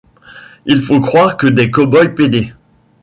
Il faut croire que des cowboys pédés.